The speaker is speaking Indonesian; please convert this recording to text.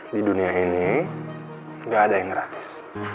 di dunia ini nggak ada yang gratis